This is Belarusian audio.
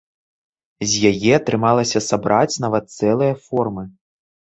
З яе атрымалася сабраць нават цэлыя формы.